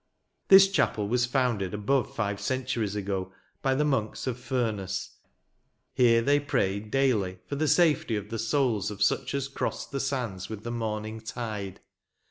This chapel was founded above five centuries ago, by the monks of Furness. Here, they prayed daily " for the safety of the souls of such as crossed the sands with the morning tide."